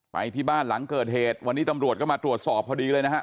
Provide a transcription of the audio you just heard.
ไปที่บ้านหลังเกิดเหตุวันนี้ตำรวจก็มาตรวจสอบพอดีเลยนะฮะ